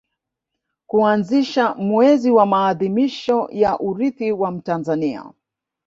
kuanzisha mwezi wa maadhimisho ya Urithi wa Mtanzania